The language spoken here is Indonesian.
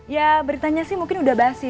ya beritanya sih mungkin udah basi